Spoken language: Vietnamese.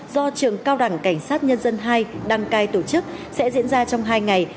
do trường cao đẳng cảnh sát nhân dân hai đăng cai tổ chức sẽ diễn ra trong hai ngày